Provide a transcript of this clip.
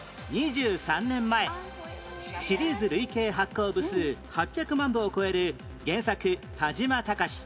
２３年前シリーズ累計発行部数８００万部を超える原作田島隆